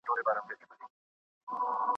ازبکانو او ترکمنانو ترمنځ چندان جذابیت نه لري. دا